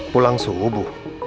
pulang subuh bu